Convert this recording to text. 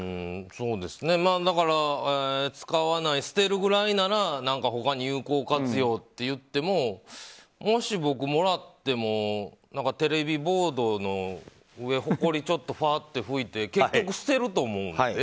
まあ、だから使わない、捨てるくらいなら他に有効活用といってももし僕、もらってもテレビボードの上ほこり、ちょっと拭いて結局捨てると思うので。